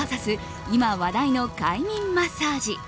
今話題の快眠マッサージ。